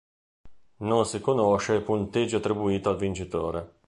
Non si conosce il punteggio attribuito al vincitore.